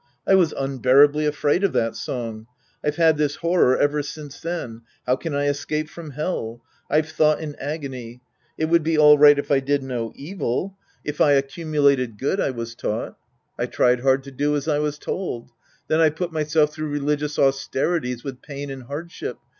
I was unbearably afraid of that song. I've had this horror ever since then. " How can I escape from Hell ?" I've thought in agony. It would be all right if I did no evil, if I 50 The Priest and His Disciples Act I accumulated good, I was taught. I tried hard to do as I was told. Then I put myself through religious austerities with pain and hardship.